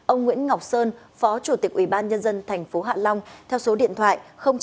ông nguyễn ngọc sơn phó chủ tịch ubnd tp hạ long theo số điện thoại chín trăm một mươi ba năm trăm ba mươi chín sáu trăm ba mươi ba